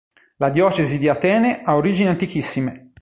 La diocesi di Atene ha origini antichissime.